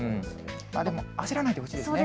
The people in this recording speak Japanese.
でも焦らないでほしいですね。